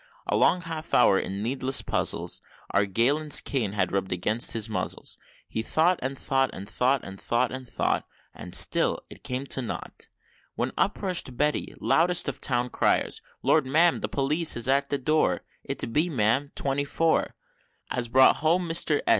A long half hour, in needless puzzle, Our Galen's cane had rubbed against his muzzle; He thought, and thought, and thought and thought, and thought And still it came to nought, When up rush'd Betty, loudest of Town Criers, "Lord, Ma'am, the new Police is at the door! It's B, ma'am, Twenty four, As brought home Mister S.